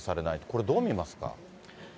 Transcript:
これ、どう見ますか。